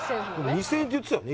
２０００円って言ってたよね